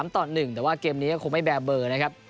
ต่อ๑แต่ว่าเกมนี้ก็คงไม่แบร์เบอร์นะครับ